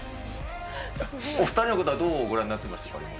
お２人のことはどうご覧になってましたかね。